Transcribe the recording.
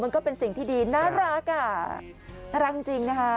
ก็เป็นสิ่งที่ดีน่ารักอ่ะน่ารักจริงนะคะ